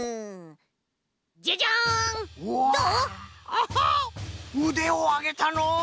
アハッうでをあげたのう！